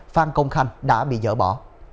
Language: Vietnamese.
phan công khanh đã bị dỡ bỏ